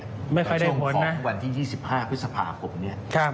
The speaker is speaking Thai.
ไม่ค่อยได้ผลนะตอนช่วงของวันที่๒๕พฤษภาคมนี่